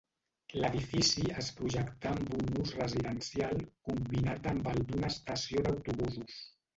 L'edifici es projectà amb un ús residencial combinat amb el d'una estació d'autobusos.